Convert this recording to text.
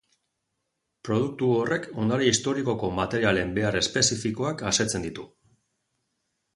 Produktu horrek ondare historikoko materialen behar espezifikoak asetzen ditu.